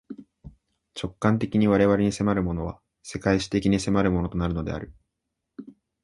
直観的に我々に迫るものは、世界史的に迫るものとなるのである。